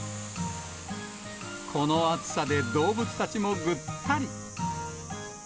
この暑さで動物たちもぐったり。